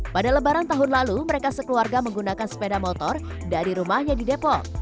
pada lebaran tahun lalu mereka sekeluarga menggunakan sepeda motor dari rumahnya di depok